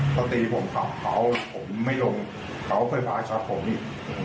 พอตีผมเขาไม่ลงเขาไฟฟ้าช็อตผมอีก